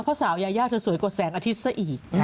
เพราะสาวยายาเธอสวยกว่าแสงอาทิตย์ซะอีก